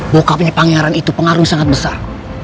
bokapnya pangeran itu pengaruh sangat besar